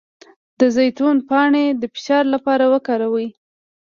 د زیتون پاڼې د فشار لپاره وکاروئ